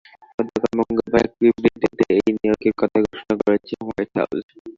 গতকাল মঙ্গলবার এক বিবৃতিতে এই নিয়োগের কথা ঘোষণা করেছে হোয়াইট হাউস।